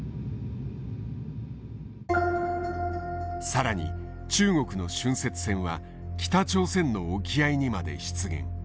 更に中国の浚渫船は北朝鮮の沖合にまで出現。